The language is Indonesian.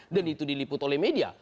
dan itu diliput oleh media